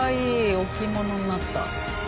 置物になった。